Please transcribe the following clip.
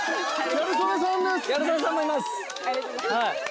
ギャル曽根さんもいます。